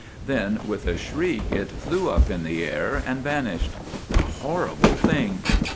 Then with a shriek it flew up in the air and vanished. A horrible thing.